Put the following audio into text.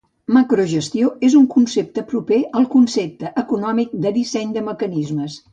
Macrogestió és un concepte proper al concepte econòmic de disseny de mecanismes.